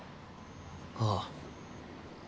ああ。